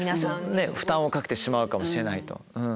負担をかけてしまうかもしれないと。